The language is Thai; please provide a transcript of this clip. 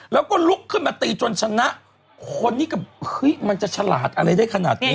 แล้วก็ลุกขึ้นมาตีจนชนะคนนี้ก็เฮ้ยมันจะฉลาดอะไรได้ขนาดนี้